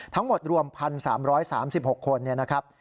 ทั้งหมดรวม๑๓๓๖คนนะครับ